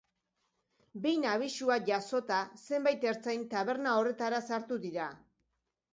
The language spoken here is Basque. Behin abisua jasota, zenbait ertzain taberna horretara sartu dira.